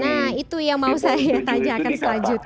nah itu yang mau saya tanya akan selanjutnya